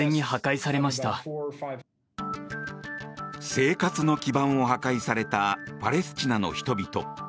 生活の基盤を破壊されたパレスチナの人々。